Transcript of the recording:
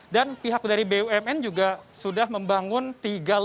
dan pihak dari bumn juga sudah membangun tiga lounge